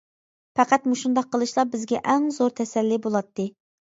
پەقەت مۇشۇنداق قىلىشلا بىزگە ئەڭ زور تەسەللى بولاتتى.